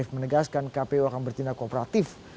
menegaskan kpu akan bertindak kooperatif